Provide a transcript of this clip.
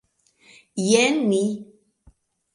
Jen ni!